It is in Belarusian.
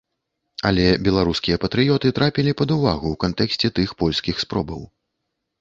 Але беларускія патрыёты трапілі пад увагу ў кантэксце тых польскіх спробаў.